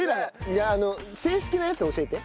いやあの正式なやつ教えて。